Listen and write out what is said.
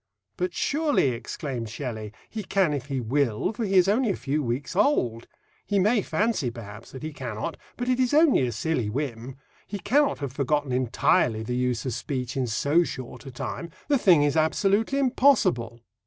"But surely," exclaimed Shelley, "he can if he will, for he is only a few weeks old! He may fancy perhaps that he cannot, but it is only a silly whim; he cannot have forgotten entirely the use of speech in so short a time; the thing is absolutely impossible."